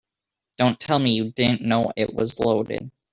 Don't tell me you didn't know it was loaded.